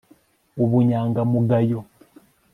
ubunyamamugayo